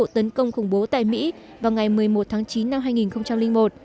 tại mỹ vào ngày một mươi một tháng chín năm hai nghìn một